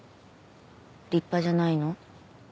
立派じゃないの？